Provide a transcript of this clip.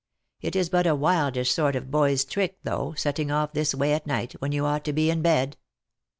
It is but a wildish sort of boy's trick though, setting off this way at night, when you ought to be in bed."